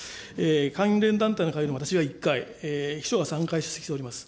関連団体の会合に私が１回、秘書が３回出席しております。